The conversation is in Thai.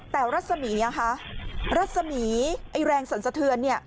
แต่รัศมีร์นะคะรัศมีร์แรงสันสเทือน